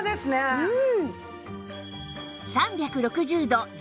うん。